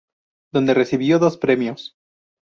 Dónde recibió dos premios.